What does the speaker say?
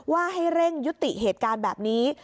ว่าให้เร่งยุติเหตุการณ์แบบนี้